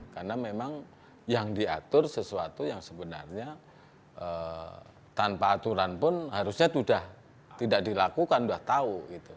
karena memang yang diatur sesuatu yang sebenarnya tanpa aturan pun harusnya sudah tidak dilakukan sudah tahu